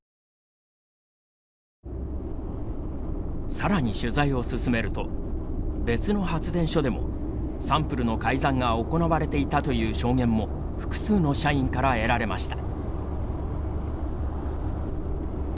さらに取材を進めると別の発電所でもサンプルの改ざんが行われていたという証言も複数の社員から得られました。